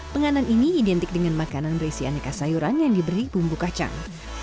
penganan ini identik dengan makanan berisi aneka sayuran yang diberi bumbu kacang